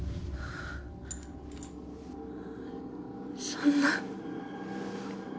そんな。